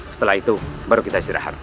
setelah itu baru kita istirahat